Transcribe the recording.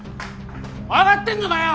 分かってんのかよ！